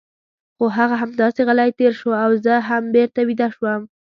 خو هغه همداسې غلی تېر شو او زه هم بېرته ویده شوم.